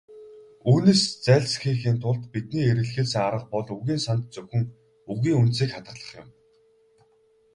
Үүнээс зайлсхийхийн тулд бидний эрэлхийлсэн арга бол үгийн санд зөвхөн "үгийн үндсийг хадгалах" юм.